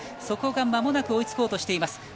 そこがまもなく追いつこうとしています。